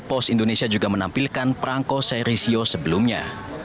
pos indonesia juga menampilkan perangko seri sio sebelumnya